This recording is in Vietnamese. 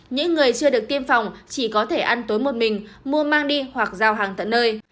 những người chưa được tiêm phòng chỉ có thể ăn tối một mình mua mang đi hoặc giao hàng tận nơi